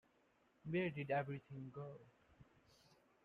Where did everything go?